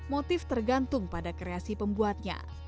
motif tergantung pada kreasi pembuatnya